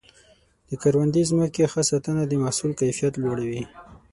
د کروندې ځمکې ښه ساتنه د محصول کیفیت لوړوي.